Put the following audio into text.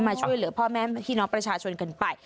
มาช่วยเหลือพ่อแม่พี่น้องประชาชนกันไป